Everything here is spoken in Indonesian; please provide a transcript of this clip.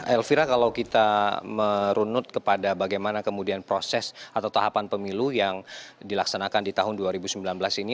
elvira kalau kita merunut kepada bagaimana kemudian proses atau tahapan pemilu yang dilaksanakan di tahun dua ribu sembilan belas ini